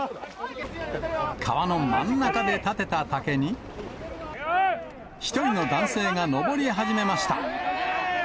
川の真ん中で立てた竹に、１人の男性が上り始めました。